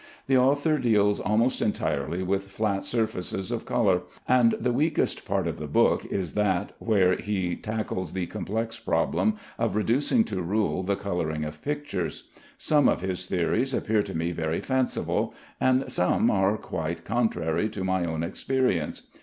The author deals almost entirely with flat surfaces of color, and the weakest part of the book is that where he tackles the complex problem of reducing to rule the coloring of pictures. Some of his theories appear to me very fanciful, and some are quite contrary to my own experience.